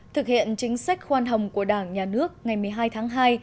thực hiện chính sách khoan hồng của đảng nhà nước ngày một mươi hai tháng hai